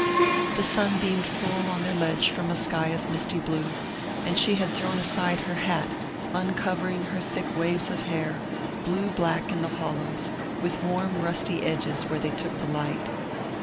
The sun beamed full on their ledge from a sky of misty blue, and she had thrown aside her hat, uncovering her thick waves of hair, blue black in the hollows, with warm rusty edges where they took the light.